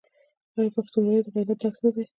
آیا پښتونولي د غیرت درس نه دی؟